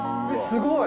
すごい！